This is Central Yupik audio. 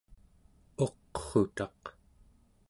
uqrutaq¹